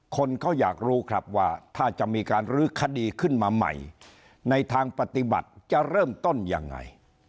คนเขาอยากรู้ครับว่าถ้าจะมีการรื้อคดีขึ้นมาใหม่ในทางปฏิบัติจะเริ่มต้นยังไง